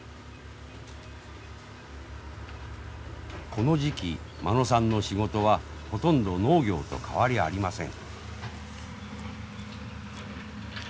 この時期間野さんの仕事はほとんど農業と変わりありません。